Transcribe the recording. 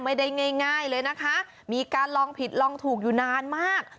ไม่ได้ง่ายเลยนะคะมีการลองผิดลองถูกอยู่นานมาก